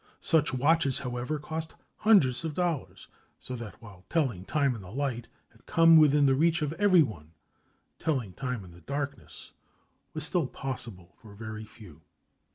Such watches, however, cost hundreds of dollars, so that while telling time in the light had come within the reach of everyone, telling time in the darkness was still possible for very few.